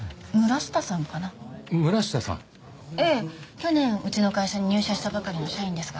去年うちの会社に入社したばかりの社員ですが。